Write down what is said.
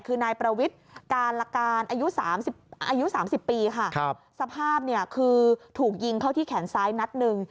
คือนายประวิทรการละการอายุสามสิบอายุสามสิบปีค่ะครับสภาพเนี่ยคือถูกยิงเขาที่แขนซ้ายนัดหนึ่ง